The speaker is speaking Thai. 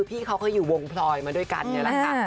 พี่เขาก็อยู่วงพลอยมาด้วยกันนี่แหละค่ะ